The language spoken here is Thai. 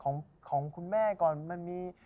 ของคุณแม่ก่อนมันมี